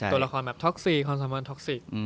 ที่ตัวละครแบบท็อกซิกความสามารถท็อกซิก